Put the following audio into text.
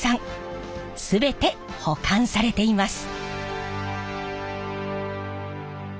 全て保管されています。